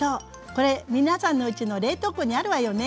これ皆さんのうちの冷凍庫にあるわよね？